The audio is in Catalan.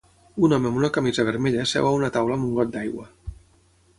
Un home amb una camisa vermella seu a una taula amb un got d'aigua.